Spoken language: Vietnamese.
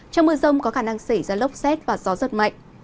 trong mưa rông có khả năng xảy ra lốc xét và gió giật mạnh